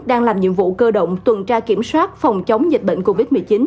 đang làm nhiệm vụ cơ động tuần tra kiểm soát phòng chống dịch bệnh covid một mươi chín